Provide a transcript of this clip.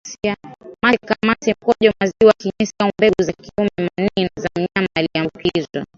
mate kamasi mkojo maziwa kinyesi au mbegu za kiume manii za mnyama aliyeambukizwa